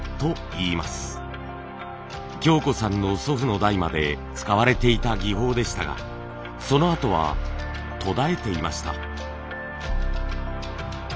京子さんの祖父の代まで使われていた技法でしたがそのあとは途絶えていました。